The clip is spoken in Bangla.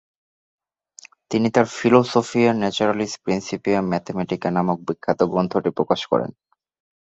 তিনি তার ফিলসফিয়া ন্যাচারালিস প্রিন্সিপিয়া ম্যাথামেটিকা নামক বিখ্যাত গ্রন্থটি প্রকাশ করেন।